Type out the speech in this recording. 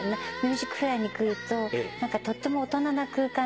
『ＭＵＳＩＣＦＡＩＲ』に来るととっても大人な空間なんですね。